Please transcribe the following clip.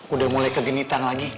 udah mulai kegenitan lagi